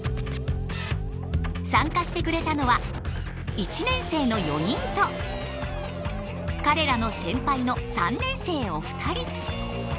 参加してくれたのは１年生の４人と彼らの先輩の３年生お二人。